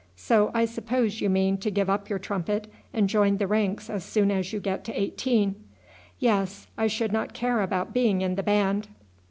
So I suppose you mean to give up your trumpet and join the ranks as soon as you get to eighteen?" "Yes. I should not care about being in the band."